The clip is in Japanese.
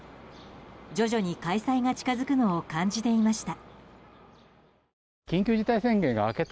徐々に開催が近づくのを感じていました。